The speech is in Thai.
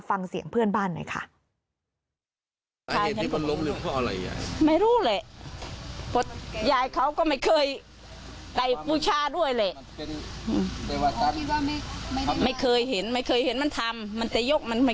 ฟังเสียงเพื่อนบ้านหน่อยค่ะ